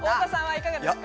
いかがですか？